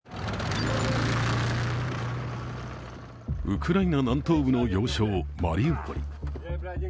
ウクライナ南東部の要衝マリウポリ。